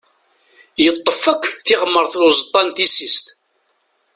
Yeṭṭef akk tiɣmert uẓeṭṭa n tissist.